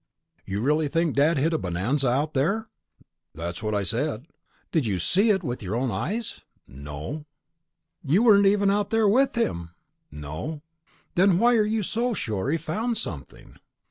"You really think Dad hit a bonanza lode out there?" "That's what I said." "Did you see it with your own eyes?" "No." "You weren't even out there with him!" "No." "Then why are you so sure he found something?"